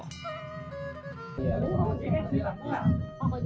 cucu dari kapan berarti